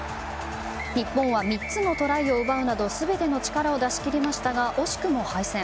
日本は３つのトライを奪うなど全ての力を出し切りましたが惜しくも敗戦。